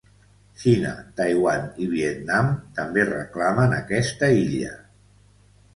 Xina, Taiwan i Vietnam també reclamen aquesta illa.